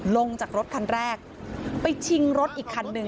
ลงจากรถคันแรกไปชิงรถอีกคันหนึ่ง